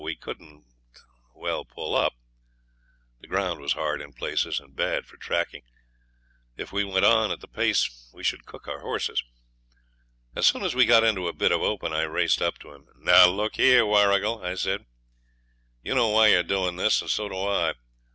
We couldn't well pull up; the ground was hard in places and bad for tracking. If we went on at the pace we should cook our horses. As soon as we got into a bit of open I raced up to him. 'Now, look here, Warrigal,' I said, 'you know why you're doing this, and so do I.